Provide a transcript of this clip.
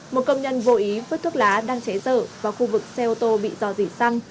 một công nhân vô ý vứt thuốc lá đang cháy dở vào khu vực xe ô tô bị dò dỉ xăng